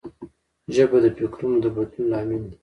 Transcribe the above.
ژبه د فکرونو د بدلون لامل ده